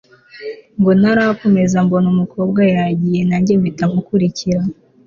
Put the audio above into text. ngo.. ntarakomeza mbona umukobwa yagiye nanjye mpita mukurikira